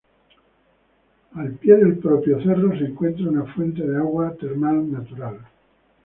Al pie del propio cerro se encuentra una fuente de agua termal natural.